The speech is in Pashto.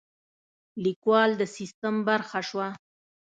لیکوال د سیستم برخه شوه.